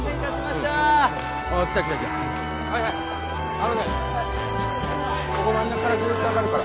あのねここ真ん中からずっと上がるから。